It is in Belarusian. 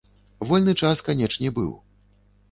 Вольны час, канечне, быў.